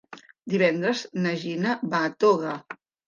Divendres na Gina va a Toga.